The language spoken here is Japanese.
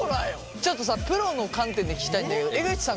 ちょっとさプロの観点で聞きたいんだけど江口さん